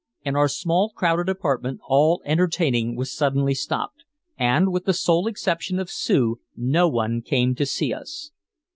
In our small crowded apartment all entertaining was suddenly stopped, and with the sole exception of Sue no one came to see us.